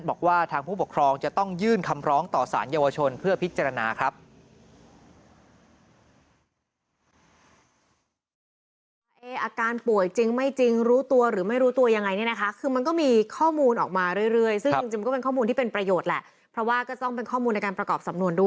บอกว่าทางผู้ปกครองจะต้องยื่นคำร้องต่อสารเยาวชนเพื่อพิจารณาครับ